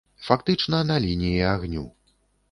Фактычна, на лініі агню.